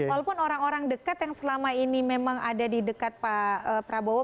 walaupun orang orang dekat yang selama ini memang ada di dekat pak prabowo